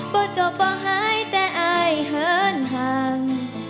่จบบ่อหายแต่อายเหินห่าง